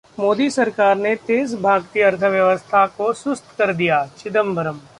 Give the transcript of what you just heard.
मोदी सरकार ने तेज भागती अर्थव्यवस्था को सुस्त कर दिया: चिदंबरम